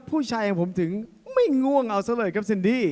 ผู้ชายของผมถึงไม่ง่วงเอาซะเลยครับเซ็นดี้